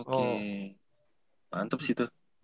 oke mantep sih itu